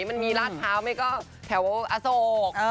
มันมีลาดเท้ากร็าค์แถวอโศก